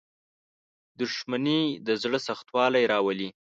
• دښمني د زړه سختوالی راولي.